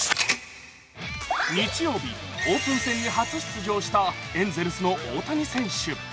日曜日、オープン戦で初出場したエンゼルスの大谷選手。